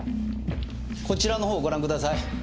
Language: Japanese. こちらの方をご覧ください。